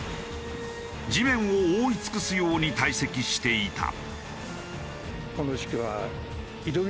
地面を覆いつくすように堆積していた。